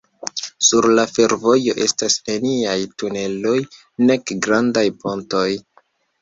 Sur la fervojo estas neniaj tuneloj nek grandaj pontoj.